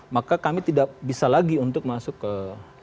maka kami tidak bisa lagi untuk masuk ke